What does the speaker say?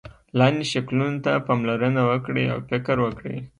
لاندې شکلونو ته پاملرنه وکړئ او فکر وکړئ.